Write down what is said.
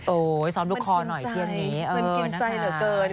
ซ้อมลูกคอหน่อยเที่ยงนี้มันกินใจเหลือเกิน